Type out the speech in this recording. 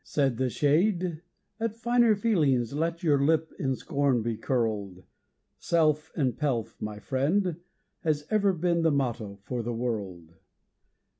Said the Shade: 'At finer feelings let your lip in scorn be curled, 'Self and Pelf', my friend, has ever been the motto for the world.'